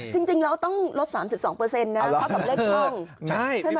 จริงเราต้องลด๓๒เปอร์เซ็นต์นะครับเพราะกับเลขช่อง